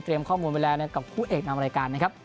เตรียมข้อมูลเป็นแรงกับคู่เอกนำรายการ